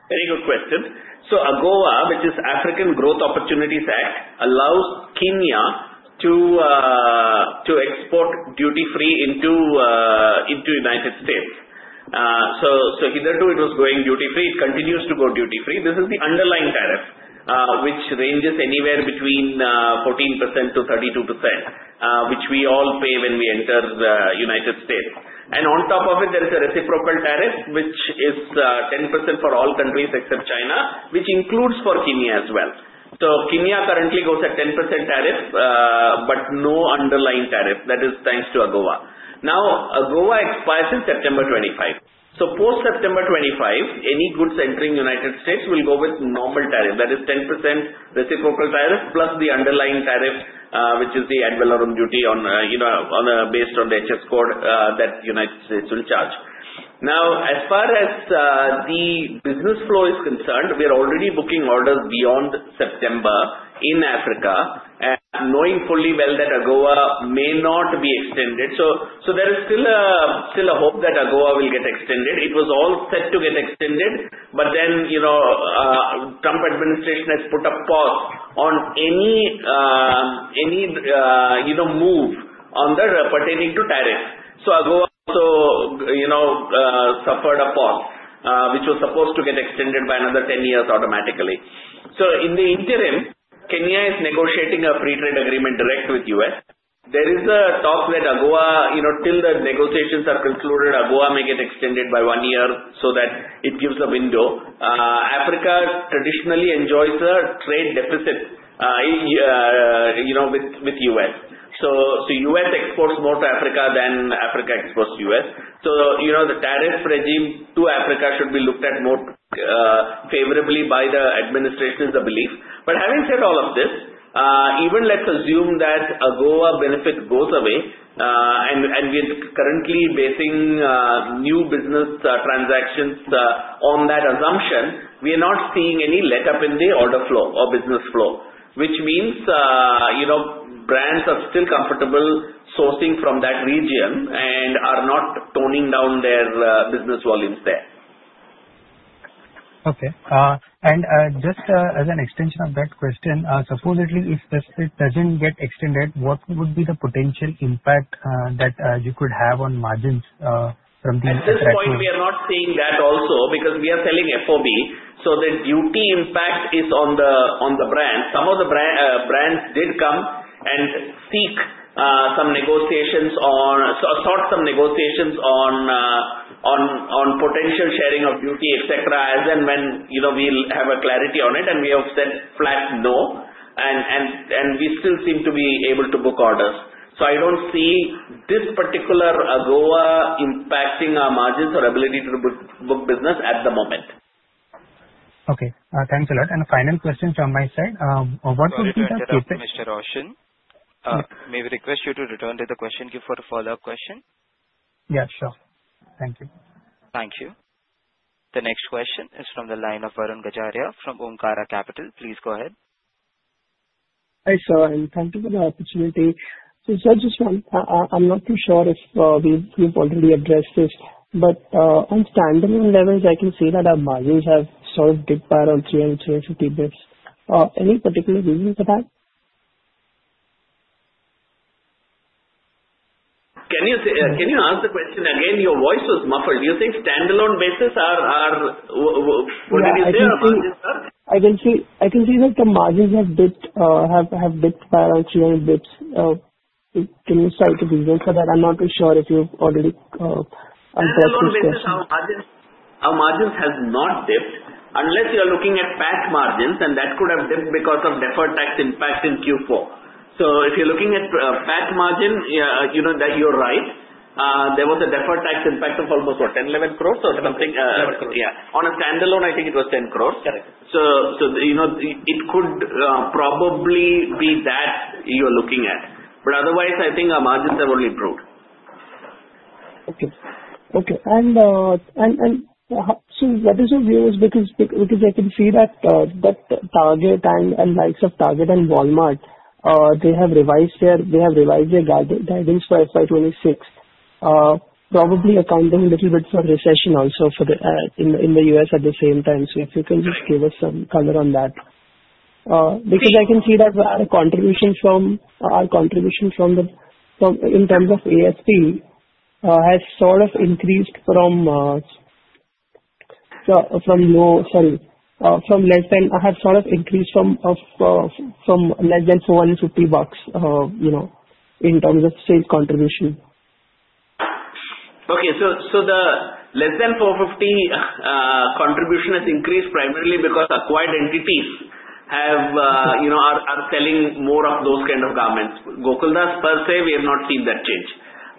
Very good question. So AGOA, which is African Growth and Opportunity Act, allows Kenya to export duty-free into the United States. So either way, it was going duty-free. It continues to go duty-free. This is the underlying tariff, which ranges anywhere between 14%-32%, which we all pay when we enter the United States. And on top of it, there is a reciprocal tariff, which is 10% for all countries except China, which includes for Kenya as well. So Kenya currently goes at 10% tariff, but no underlying tariff. That is thanks to AGOA. Now, AGOA expires in September 2025. So post-September 2025, any goods entering the United States will go with normal tariff. That is 10% reciprocal tariff plus the underlying tariff, which is the ad valorem duty based on the HS code that the United States will charge. Now, as far as the business flow is concerned, we are already booking orders beyond September in Africa, knowing fully well that AGOA may not be extended. So there is still a hope that AGOA will get extended. It was all set to get extended, but then the Trump administration has put a pause on any move pertaining to tariff. So AGOA also suffered a pause, which was supposed to get extended by another 10 years automatically. So in the interim, Kenya is negotiating a free trade agreement direct with the U.S. There is a talk that until the negotiations are concluded, AGOA may get extended by one year so that it gives a window. Africa traditionally enjoys a trade deficit with the U.S. So the U.S. exports more to Africa than Africa exports to the U.S. The tariff regime to Africa should be looked at more favorably by the administration, is the belief. But having said all of this, even let's assume that AGOA benefit goes away, and we are currently basing new business transactions on that assumption, we are not seeing any letup in the order flow or business flow, which means brands are still comfortable sourcing from that region and are not toning down their business volumes there. Okay. And just as an extension of that question, supposedly, if it doesn't get extended, what would be the potential impact that you could have on margins from these threats? At this point, we are not seeing that also because we are selling FOB, so the duty impact is on the brand. Some of the brands did come and seek some negotiations or sought some negotiations on potential sharing of duty, etc., as and when we'll have a clarity on it, and we have said flat no, and we still seem to be able to book orders. So I don't see this particular AGOA impacting our margins or ability to book business at the moment. Okay. Thanks a lot. And final question from my side. What would be the? Thank you, Mr. Roshan. May we request you to return to the question queue for a follow-up question? Yeah, sure. Thank you. Thank you. The next question is from the line of Varun Gajaria from Omkara Capital. Please go ahead. Hi, sir. Thank you for the opportunity. So just one, I'm not too sure if we've already addressed this, but on standalone levels, I can see that our margins have sort of dip by around 350 basis points. Any particular reason for that? Can you ask the question again? Your voice was muffled. Do you think standalone basis are—what did you say? I can see that the margins have dipped by around 300 basis points. Can you cite a reason for that? I'm not too sure if you've already addressed this question. Our margins have not dipped unless you're looking at PAT margins, and that could have dipped because of deferred tax impact in Q4. So if you're looking at PAT margin, you're right. There was a deferred tax impact of almost what, 10-11 crores or something? 11 crores. Yeah. On a standalone, I think it was 10 crores. Correct. So it could probably be that you're looking at. But otherwise, I think our margins have only improved. Okay. That is a view because I can see that Target and Walmart have revised their guidance for FY 2026, probably accounting a little bit for recession also in the U.S. at the same time. So if you can just give us some color on that. Because I can see that our contribution from the, in terms of ASP, has sort of increased from low, sorry, from less than $450 in terms of sales contribution. Okay. So the less than $450 contribution has increased primarily because acquired entities are selling more of those kind of garments. Gokaldas, per se, we have not seen that change.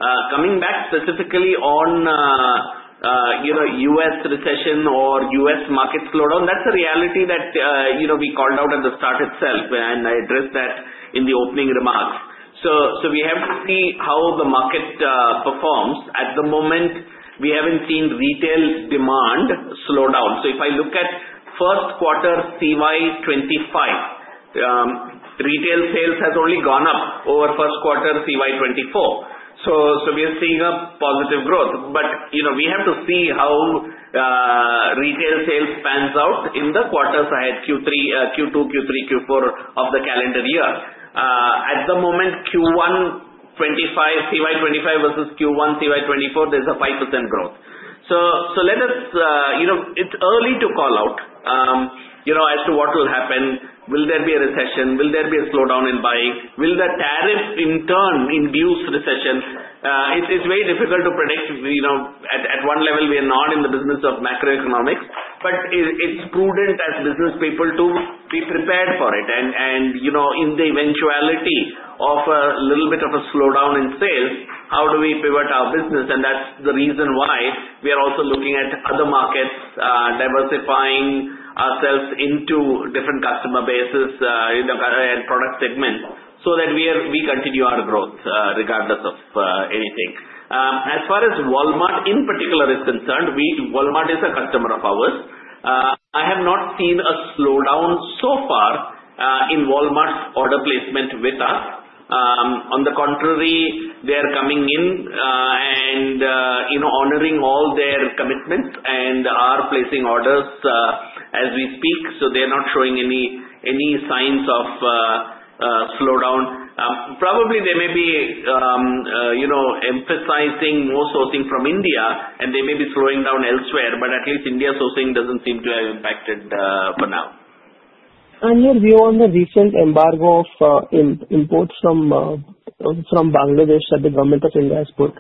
Coming back specifically on U.S. recession or U.S. market slowdown, that's a reality that we called out at the start itself, and I addressed that in the opening remarks. So we have to see how the market performs. At the moment, we haven't seen retail demand slow down. So if I look at first quarter CY25, retail sales have only gone up over first quarter CY24. So we are seeing a positive growth, but we have to see how retail sales pans out in the quarters ahead, Q2, Q3, Q4 of the calendar year. At the moment, CY25 versus Q1, CY24, there's a 5% growth. So let us. It's early to call out as to what will happen. Will there be a recession? Will there be a slowdown in buying? Will the tariff, in turn, induce recession? It's very difficult to predict. At one level, we are not in the business of macroeconomics, but it's prudent as business people to be prepared for it. And in the eventuality of a little bit of a slowdown in sales, how do we pivot our business? And that's the reason why we are also looking at other markets, diversifying ourselves into different customer bases and product segments so that we continue our growth regardless of anything. As far as Walmart in particular is concerned, Walmart is a customer of ours. I have not seen a slowdown so far in Walmart's order placement with us. On the contrary, they are coming in and honoring all their commitments and are placing orders as we speak. So they are not showing any signs of slowdown. Probably they may be emphasizing more sourcing from India, and they may be slowing down elsewhere, but at least India sourcing doesn't seem to have impacted for now. Your view on the recent embargo of imports from Bangladesh that the Government of India has put?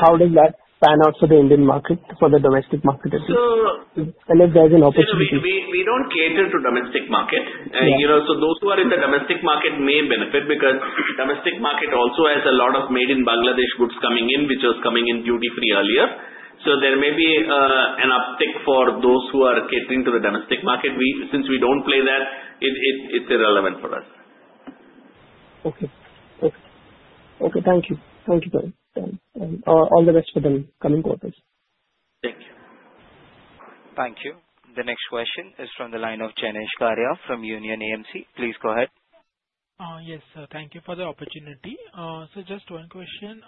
How does that pan out for the Indian market, for the domestic market, and if there's an opportunity? We don't cater to domestic market. So those who are in the domestic market may benefit because the domestic market also has a lot of made-in-Bangladesh goods coming in, which was coming in duty-free earlier. So there may be an uptick for those who are catering to the domestic market. Since we don't play that, it's irrelevant for us. Okay. Okay. Okay. Thank you. Thank you, sir. All the best for the coming quarters. Thank you. Thank you. The next question is from the line of Janesh Garia from Union AMC. Please go ahead. Yes, sir. Thank you for the opportunity. So just one question.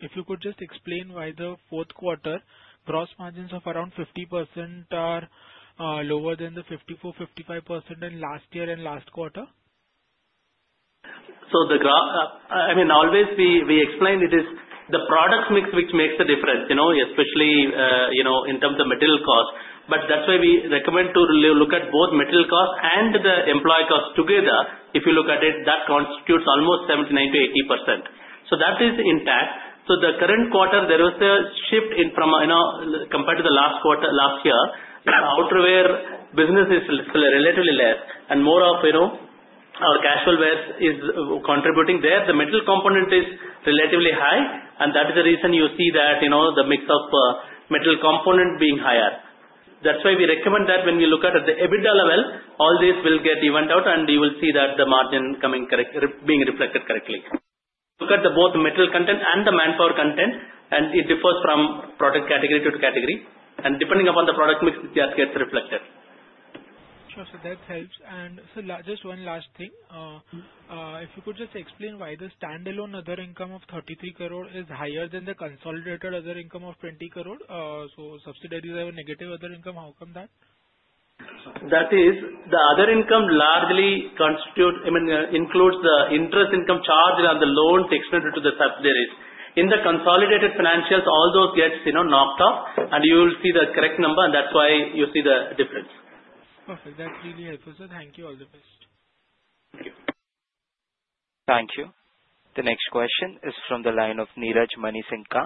If you could just explain why the fourth quarter gross margins of around 50% are lower than the 54%, 55% in last year and last quarter? I mean, always we explain it is the product mix which makes the difference, especially in terms of material cost. But that's why we recommend to look at both material cost and the employee cost together. If you look at it, that constitutes almost 79%-80%. So that is intact. So the current quarter, there was a shift compared to the last quarter last year. Outerwear business is relatively less, and more of our casual wear is contributing there. The material component is relatively high, and that is the reason you see that the mix of material component being higher. That's why we recommend that when we look at the EBITDA level, all these will get evened out, and you will see that the margin being reflected correctly. Look at both the material content and the manpower content, and it differs from product category to category. Depending upon the product mix, it just gets reflected. Sure. So that helps. And so just one last thing. If you could just explain why the standalone other income of 33 crore is higher than the consolidated other income of 20 crore. So subsidiaries have a negative other income. How come that? That is, the other income largely includes the interest income charged on the loans extended to the subsidiaries. In the consolidated financials, all those get knocked off, and you will see the correct number, and that's why you see the difference. Perfect. That really helps. So, thank you all the best. Thank you. Thank you. The next question is from the line of Niraj Mansingka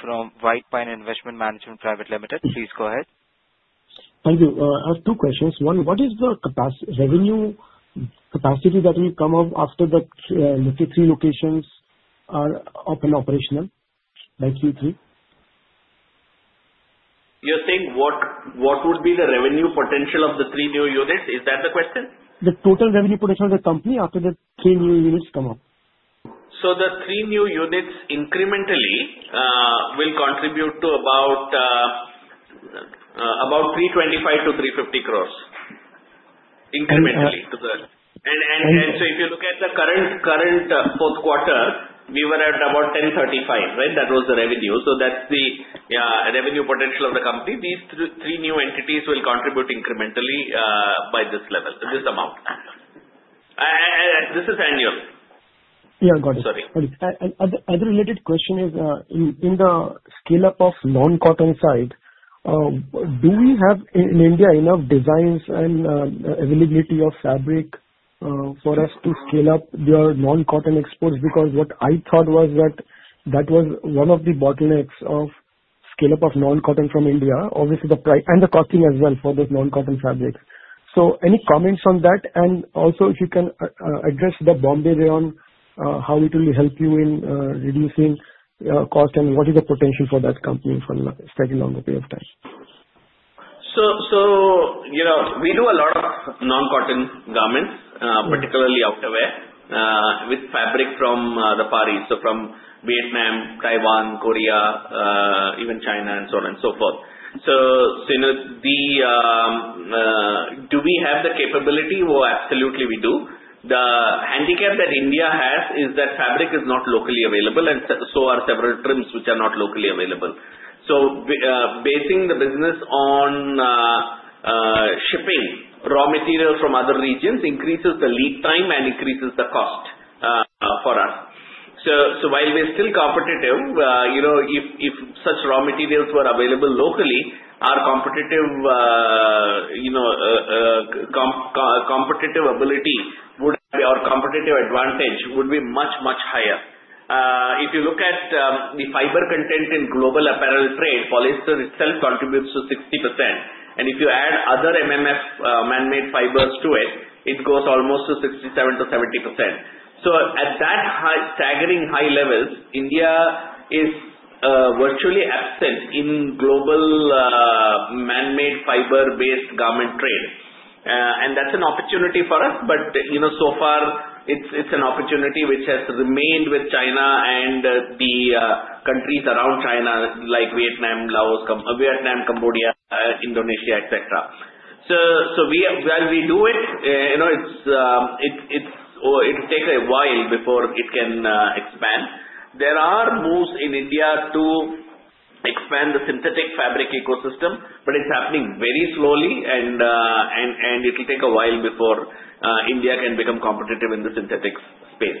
from White Pine Investment Management Private Limited. Please go ahead. Thank you. I have two questions. One, what is the revenue capacity that will come out after the three locations are up and operational by Q3? You're saying what would be the revenue potential of the three new units? Is that the question? The total revenue potential of the company after the three new units come up? The three new units incrementally will contribute to about 325 crores-350 crores incrementally. If you look at the current fourth quarter, we were at about 1035 crores, right? That was the revenue. That's the revenue potential of the company. These three new entities will contribute incrementally by this amount. This is annual. Yeah. Got it. Sorry. Other related question is, in the scale-up of non-cotton side, do we have in India enough designs and availability of fabric for us to scale up your non-cotton exports? Because what I thought was that that was one of the bottlenecks of scale-up of non-cotton from India, obviously the price and the costing as well for those non-cotton fabrics. So any comments on that? And also, if you can address the Bombay Rayon, how it will help you in reducing cost and what is the potential for that company for a longer period of time? So we do a lot of non-cotton garments, particularly outerwear, with fabric from the Far East, so from Vietnam, Taiwan, Korea, even China, and so on and so forth. So do we have the capability? Well, absolutely, we do. The handicap that India has is that fabric is not locally available, and so are several trims which are not locally available. So basing the business on shipping raw materials from other regions increases the lead time and increases the cost for us. So while we're still competitive, if such raw materials were available locally, our competitive ability or competitive advantage would be much, much higher. If you look at the fiber content in global apparel trade, polyester itself contributes to 60%. And if you add other MMF manmade fibers to it, it goes almost to 67%-70%. So at that staggering high levels, India is virtually absent in global manmade fiber-based garment trade. And that's an opportunity for us, but so far, it's an opportunity which has remained with China and the countries around China like Vietnam, Cambodia, Indonesia, etc. So while we do it, it'll take a while before it can expand. There are moves in India to expand the synthetic fabric ecosystem, but it's happening very slowly, and it'll take a while before India can become competitive in the synthetic space.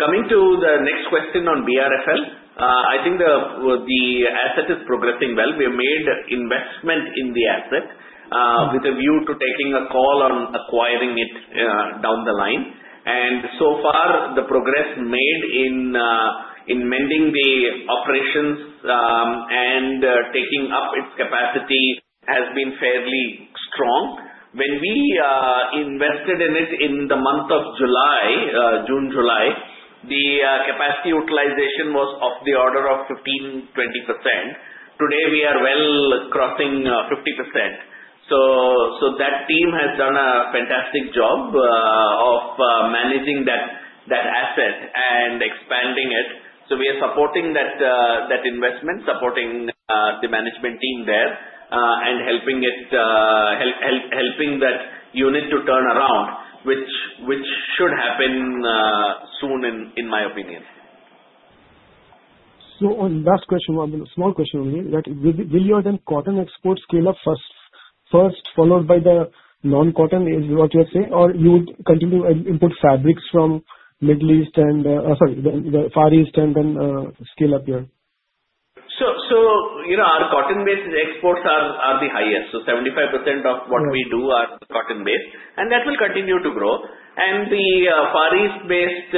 Coming to the next question on BRFL, I think the asset is progressing well. We have made investment in the asset with a view to taking a call on acquiring it down the line. And so far, the progress made in mending the operations and taking up its capacity has been fairly strong. When we invested in it in the month of June, July, the capacity utilization was of the order of 15%-20%. Today, we are well crossing 50%. So that team has done a fantastic job of managing that asset and expanding it. So we are supporting that investment, supporting the management team there, and helping that unit to turn around, which should happen soon, in my opinion. So, one last question, a small question only, that will your then cotton exports scale up first, followed by the non-cotton, is what you're saying, or you would continue to import fabrics from Middle East and, sorry, the Far East, and then scale up here? So our cotton-based exports are the highest. So 75% of what we do are cotton-based, and that will continue to grow. And the Far East-based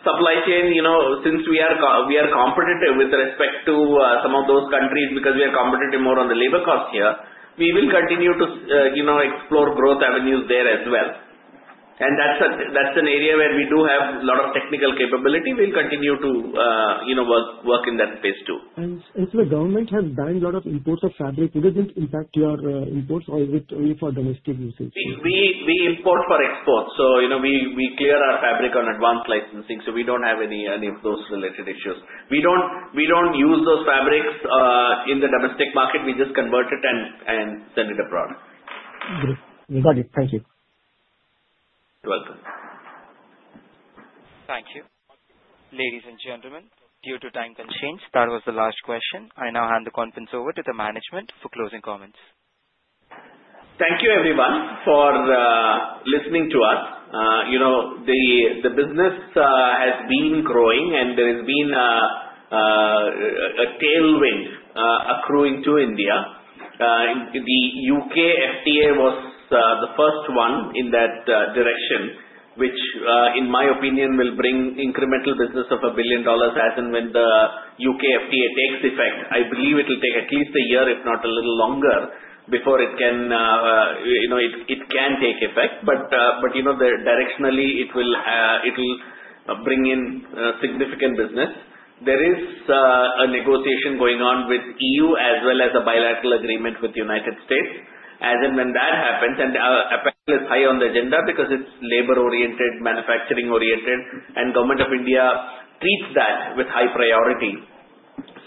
supply chain, since we are competitive with respect to some of those countries because we are competitive more on the labor cost here, we will continue to explore growth avenues there as well. And that's an area where we do have a lot of technical capability. We'll continue to work in that space too. Since the government has banned a lot of imports of fabric, wouldn't it impact your imports or is it only for domestic usage? We import for export. So we clear our fabric on Advance Licensing, so we don't have any of those related issues. We don't use those fabrics in the domestic market. We just convert it and send it abroad. Great. Got it. Thank you. You're welcome. Thank you. Ladies and gentlemen, due to time constraints, that was the last question. I now hand the conference over to the management for closing comments. Thank you, everyone, for listening to us. The business has been growing, and there has been a tailwind accruing to India. The U.K. FTA was the first one in that direction, which, in my opinion, will bring incremental business of $1 billion as and when the U.K. FTA takes effect. I believe it'll take at least a year, if not a little longer, before it can take effect. But directionally, it will bring in significant business. There is a negotiation going on with the EU as well as a bilateral agreement with the United States. As and when that happens, and apparently, it's high on the agenda because it's labor-oriented, manufacturing-oriented, and the government of India treats that with high priority.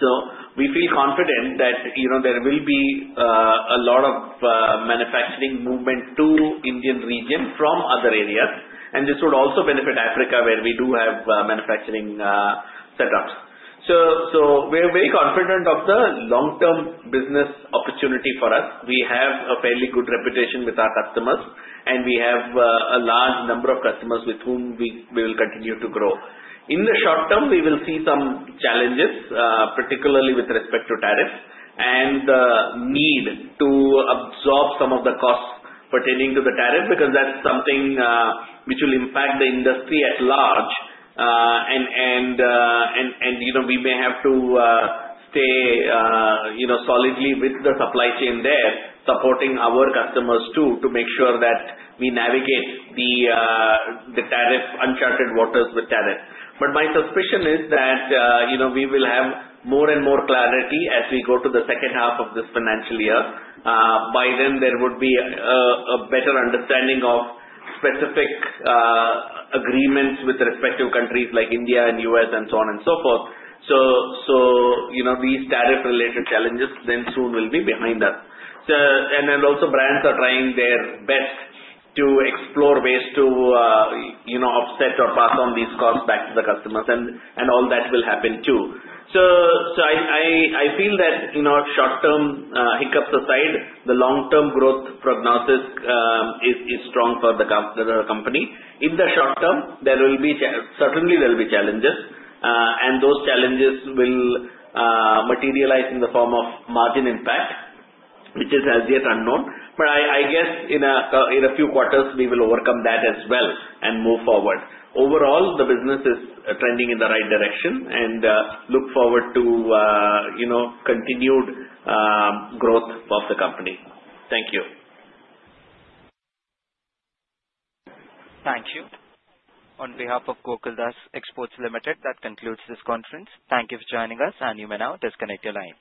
So we feel confident that there will be a lot of manufacturing movement to the Indian region from other areas. This would also benefit Africa, where we do have manufacturing setups. We're very confident of the long-term business opportunity for us. We have a fairly good reputation with our customers, and we have a large number of customers with whom we will continue to grow. In the short term, we will see some challenges, particularly with respect to tariffs and the need to absorb some of the costs pertaining to the tariff because that's something which will impact the industry at large. We may have to stay solidly with the supply chain there, supporting our customers too, to make sure that we navigate the uncharted waters with tariffs. My suspicion is that we will have more and more clarity as we go to the second half of this financial year. By then, there would be a better understanding of specific agreements with respective countries like India and the U.S. and so on and so forth. So these tariff-related challenges then soon will be behind us, and also, brands are trying their best to explore ways to offset or pass on these costs back to the customers, and all that will happen too, so I feel that short-term hiccups aside, the long-term growth prognosis is strong for the company. In the short term, certainly, there will be challenges, and those challenges will materialize in the form of margin impact, which is as yet unknown, but I guess in a few quarters, we will overcome that as well and move forward. Overall, the business is trending in the right direction, and I look forward to continued growth of the company. Thank you. Thank you. On behalf of Gokaldas Exports Limited, that concludes this conference. Thank you for joining us, and you may now disconnect your lines.